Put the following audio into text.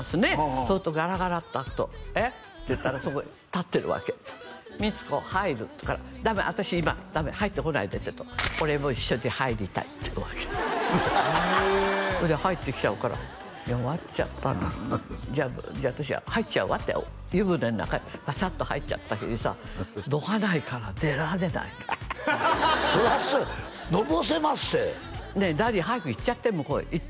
そうするとガラガラッと開くと「えっ？」って言ったらそこへ立ってるわけ「光子入る」って言うから「ダメ私今ダメ入ってこないで」って言うと「俺も一緒に入りたい」って言うわけへえ入ってきちゃうから弱っちゃったなじゃあ私入っちゃうわって湯船の中へバシャッと入っちゃったきりさどかないから出られないのそらそうやのぼせまっせ「ねえダディ早く行っちゃって向こうへ行って」